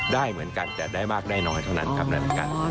ได้เหมือนกันแต่ได้มากได้น้อยเท่านั้นครับ